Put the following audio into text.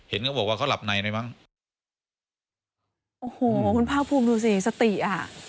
เห็นเขาบอกว่าเขาหลับในได้บ้างโอ้โหคุณภาพภูมิดูสิสติอ่ะ